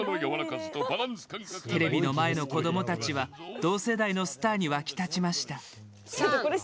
テレビの前の子どもたちは同世代のスターに沸き立ちました。